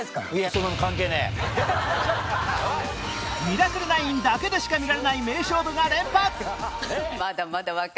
『ミラクル９』だけでしか見られない名勝負が連発！